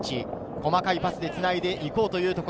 細かいパスでつないでいこうというところ。